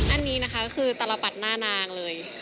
อันนี้นะคะก็คือตลปัดหน้านางเลย